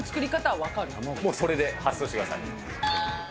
それで発想してください。